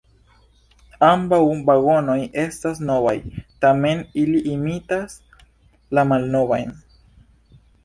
Ambaŭ vagonoj estas novaj, tamen ili imitas la malnovajn.